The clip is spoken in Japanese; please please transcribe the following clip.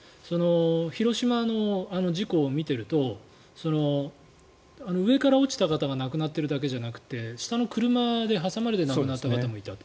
広島の事故を見ていると上から落ちた方が亡くなっているだけじゃなくて下の車で挟まれて亡くなった方もいたと。